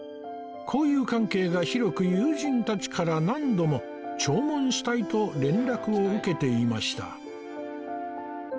交友関係が広く友人たちから何度も弔問したいと連絡を受けていました